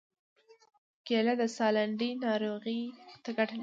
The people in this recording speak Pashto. کېله د ساه لنډۍ ناروغۍ ته ګټه لري.